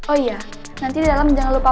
oh iya nanti di dalam jangan lupa